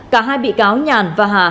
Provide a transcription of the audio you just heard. cả hai bị cáo nhàn và hà